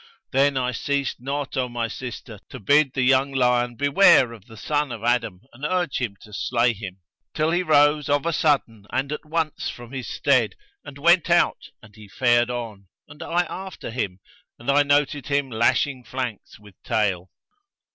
Then I ceased not, O my sister, to bid the young lion beware of the son of Adam and urge him to slay him, till he rose of a sudden and at once from his stead and went out and he fared on, and I after him and I noted him lashing flanks with tail.